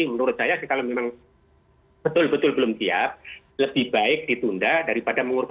menurut saya sih kalau memang betul betul belum siap lebih baik ditunda daripada mengurus